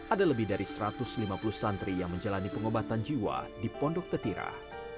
ada lebih dari satu ratus lima puluh santri yang menjalani pengobatan jiwa di pondok tetirah